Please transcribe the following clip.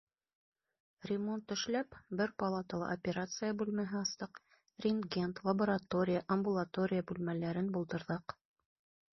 Ремонт эшләп, бер палатала операция бүлмәһе астыҡ, рентген, лаборатория, амбулатория бүлмәләрен булдырҙыҡ.